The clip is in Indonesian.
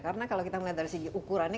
karena kalau kita melihat dari segi ukurannya